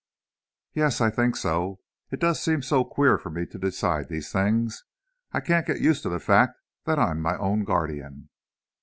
"Yes, I think so. It does seem so queer for me to decide these things! I can't get used to the fact that I'm my own guardian!"